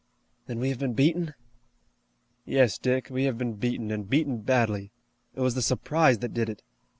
"Then we have been beaten?" "Yes, Dick, we have been beaten, and beaten badly. It was the surprise that did it.